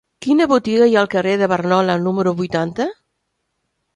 Quina botiga hi ha al carrer de Barnola número vuitanta?